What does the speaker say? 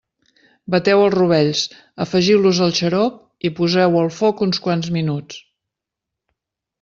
Bateu els rovells, afegiu-los al xarop i poseu-ho al foc uns quants minuts.